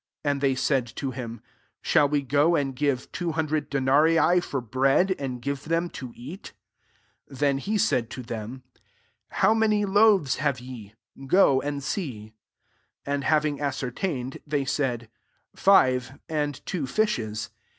'' And they said to him, " Shall we go and give two hundred denarii for bread, and give them to eat ?" 38 Then he said to them, " How many loaves have ye ? go [and'] see." And having as certained, they said, " Five, and two fishes."